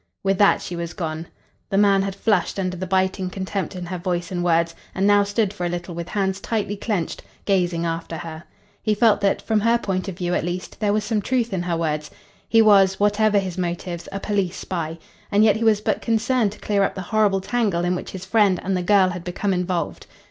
With that she was gone. The man had flushed under the biting contempt in her voice and words, and now stood for a little with hands tightly clenched, gazing after her. He felt that, from her point of view at least, there was some truth in her words. He was whatever his motives a police spy. And yet he was but concerned to clear up the horrible tangle in which his friend and the girl had become involved.